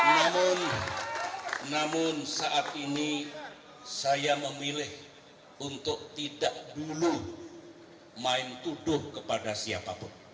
namun namun saat ini saya memilih untuk tidak dulu main tuduh kepada siapapun